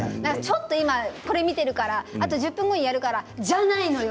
これを見ているから１０分後にやるからじゃないのよ。